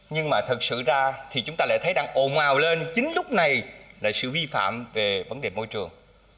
nhưng mà thật sự ra thì chúng ta lại thấy đang ồn ào lên chính lúc này là sự vi phạm về vấn đề môi trường